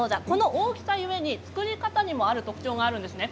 大きさ故に作り方にも特徴があるんですよね。